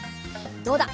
どうだ？